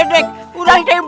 ini tidak baik